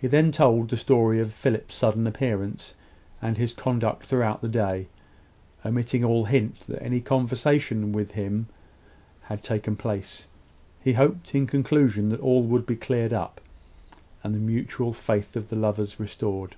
He then told the story of Philip's sudden appearance, and his conduct throughout the day, omitting all hint that any conversation with himself had taken place. He hoped, in conclusion, that all would be cleared up, and the mutual faith of the lovers restored.